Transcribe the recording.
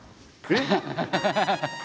えっ？